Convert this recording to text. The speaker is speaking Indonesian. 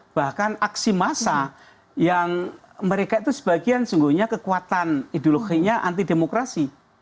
bahkan aksi massa yang mereka itu sebagian sungguhnya kekuatan ideologinya anti demokrasi